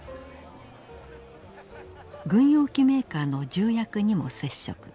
軍用機メーカーの重役にも接触。